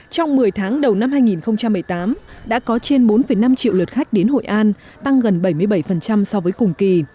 trong một mươi tháng đầu năm hai nghìn một mươi tám đã có trên bốn năm triệu lượt khách đến hội an tăng gần bảy mươi bảy so với cùng kỳ